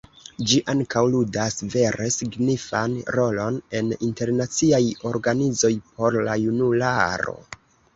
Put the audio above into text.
Ĝi ankaŭ ludas vere signifan rolon en internaciaj organizoj por la junularo.